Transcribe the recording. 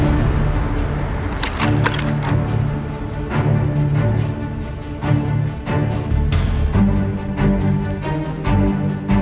ไม่รู้เลยก็เพลินว่าจะไม่แล้วนะ